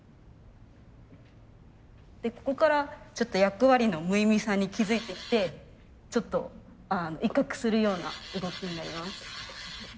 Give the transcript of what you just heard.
でここからちょっと役割の無意味さに気付いてきてちょっと威嚇するような動きになります。